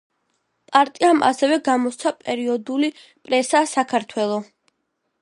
პარტიამ ასევე გამოსცა პერიოდული პრესა „საქართველო“.